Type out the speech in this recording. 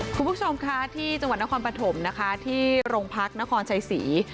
คุณผู้ชมค่ะที่จังหวัดนครปฐมนะคะที่โรงพักนครชัยศรี